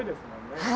はい。